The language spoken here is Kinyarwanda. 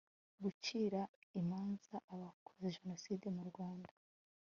gucira imanza abakoze jenoside mu rwanda